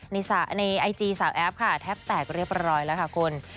ในไอจีสาวแอฟค่ะแทบแตกเรียบร้อยแล้วค่ะคุณ